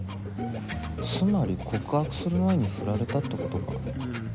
つまり告白する前に振られたって事か。